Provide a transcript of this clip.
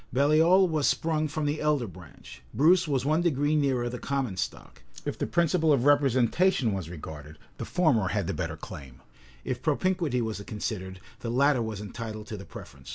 Baliol was sprung from the elder branch: Bruce was one degree nearer the common stock: if the principle of representation was regarded, the former had the better claim: if propinquity was considered, the latter was entitled to the preference.